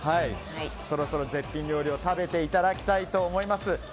そろそろ絶品料理を食べていただきたいと思います。